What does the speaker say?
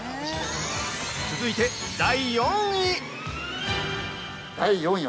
◆続いて第４位！